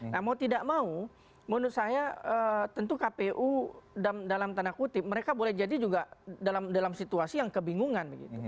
nah mau tidak mau menurut saya tentu kpu dalam tanda kutip mereka boleh jadi juga dalam situasi yang kebingungan